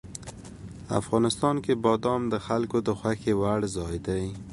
افغانستان کې بادام د خلکو د خوښې وړ ځای دی.